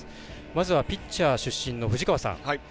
まずはピッチャー出身の藤川さん